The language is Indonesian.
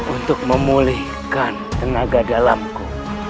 untuk memulihkan tenaga dalamku